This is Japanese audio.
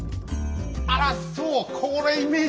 あらそう！